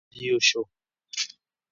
د پښتو ژبې تر سیوري لاندې یو شو.